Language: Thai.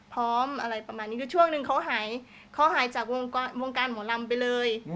พร้อมอะไรประมาณนี้คือช่วงนึงเขาหายจากวงการหมดลำไปเลย